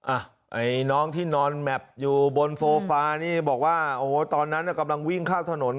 อ่ะน้องที่นอนแมพบนโฟฟานี่บอกว่าตอนนั้นกำลังวิ่งข้างถนน